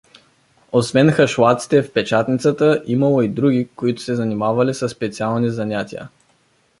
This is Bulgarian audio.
Освен хъшлаците в печатницата имало, и други, които се занимавали със специални занятия.